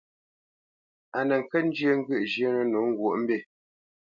A nə kə́ njyə́ ŋgyə̂ʼ zhyə́nə̄ nǒ ŋgwǒʼmbî.